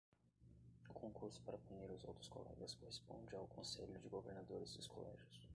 O concurso para punir os outros colegas corresponde ao Conselho de Governadores dos colégios.